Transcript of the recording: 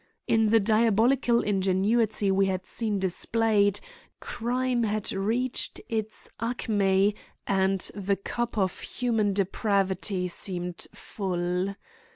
In the diabolical ingenuity we had seen displayed, crime had reached its acme and the cup of human depravity seemed full.